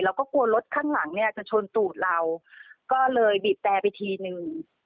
แล้วก็กลัวรถข้างหลังเนี่ยจะชนตูดเราก็เลยบีบแต่ไปทีหนึ่ง